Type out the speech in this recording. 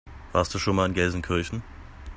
Warst du schon mal in Gelsenkirchen?